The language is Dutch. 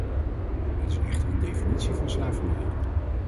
Het is echter een definitie van slavernij.